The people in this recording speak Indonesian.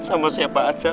sama siapa aja